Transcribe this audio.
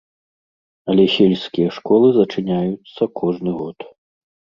Але сельскія школы зачыняюцца кожны год.